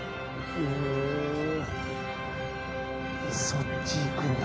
そっち行くんだ。